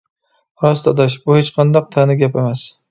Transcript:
راست ئاداش، بۇ ھېچقانداق تەنە گەپ ئەمەس.